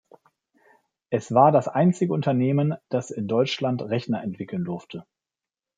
Es war das einzige Unternehmen, das in Deutschland Rechner entwickeln durfte.